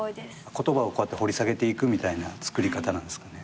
言葉を掘り下げていくみたいな作り方なんですかね？